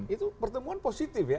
itu pertemuan positif ya